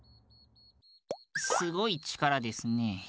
すごいちからですね。